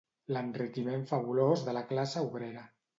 L'enriquiment fabulós de la classe obrera.